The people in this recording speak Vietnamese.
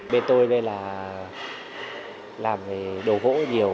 bên tôi đây là làm về đồ gỗ nhiều